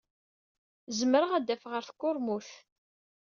Zemreɣ ad adfeɣ ɣer tkurmut.